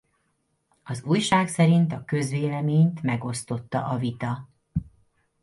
Az újság szerint a közvéleményt megosztotta a vita.